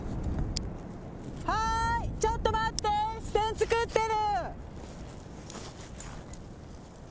はいちょっと待って支点作ってる！